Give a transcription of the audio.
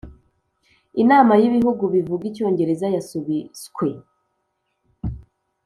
Inama yibihugu bivuga icyongereza yasubiswe